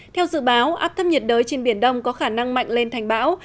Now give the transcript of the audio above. theo dự báo áp thấp nhiệt đới trên biển đông có khả năng mạnh lên thành bão